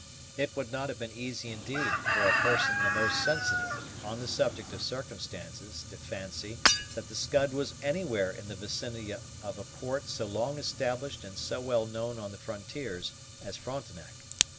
It would not have been easy indeed for a person the most sensitive on the subject of circumstances to fancy that the Scud was anywhere in the vicinity of a port so long established and so well known on the frontiers as Frontenac.